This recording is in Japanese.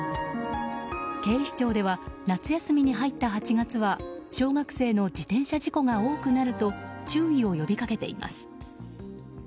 警視庁では夏休みに入った８月は小学生の自転車事故が多くなると注意を呼び掛けています。